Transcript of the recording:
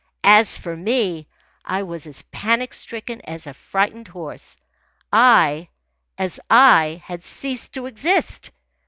As for me, I was as panic stricken as a frightened horse. I, as I, had ceased to exist.